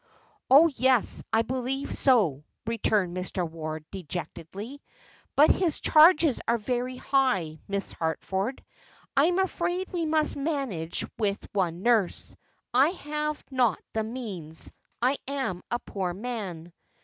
"Oh, yes, I believe so," returned Mr. Ward, dejectedly; "but his charges are very high. Miss Harford, I am afraid we must manage with one nurse. I have not the means. I am a poor man."